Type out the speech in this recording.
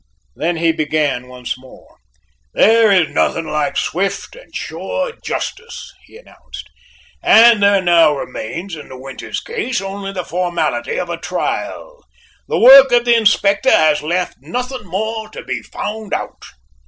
Then he began once more: "There is nothing like swift and sure justice," he announced, "and there now remains in the Winters case only the formality of a trial. The work of the Inspector has left nothing more to be found out."